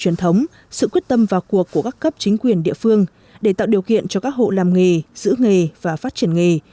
truyền thống sự quyết tâm vào cuộc của các cấp chính quyền địa phương để tạo điều kiện cho các hộ làm nghề giữ nghề và phát triển nghề